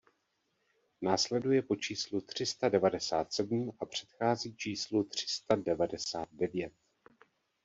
Následuje po číslu tři sta devadesát sedm a předchází číslu tři sta devadesát devět.